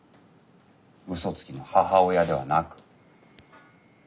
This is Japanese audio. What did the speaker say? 嘘つきの母親ではなく。